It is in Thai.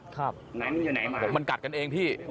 น้องมันอยู่ไหนมันกัดกันเองพี่